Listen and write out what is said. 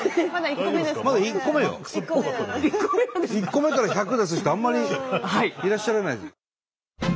１個目から１００出す人あんまりいらっしゃらない。